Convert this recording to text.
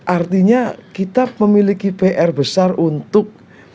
artinya kita memiliki pr besar untuk